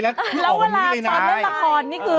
แล้วเวลาสวนด้วยละครนี่คือ